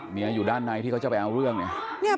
อยู่ด้านในที่เขาจะไปเอาเรื่องเนี่ย